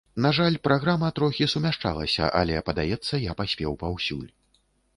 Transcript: На жаль, праграма трохі сумяшчалася, але, падаецца, я паспеў паўсюль.